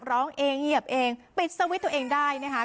ร้องเองเหยียบเองปิดสวิตช์ตัวเองได้นะคะ